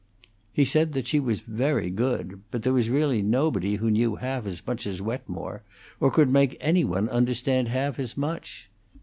He said that she was very good; but there was really nobody who knew half as much as Wetmore, or could make any one understand half as much.